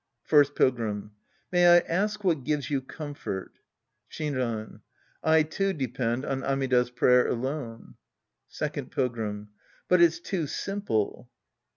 First Pilgrim. May I ask what gives you comfort. Shinran. I, too, depend on Amida's prayer alone. Second Pilgrim. But it's too simple.